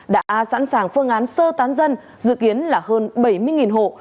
đã sẵn sàng phương án sơ tán dân dự kiến là hơn bảy mươi hộ